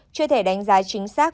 chưa thể đánh giá chính xác